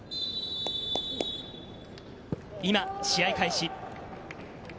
今、試合開始。